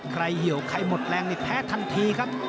เหี่ยวใครหมดแรงนี่แพ้ทันทีครับ